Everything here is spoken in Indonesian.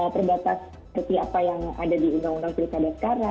terbatas seperti apa yang ada di undang undang pilkada sekarang